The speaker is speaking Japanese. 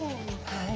はい。